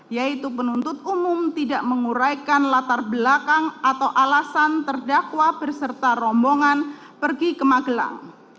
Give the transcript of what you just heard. yaitu penuntut umum tidak menguraikan latar belakang atau alasan terdakwa berserta rombongan pergi ke magelang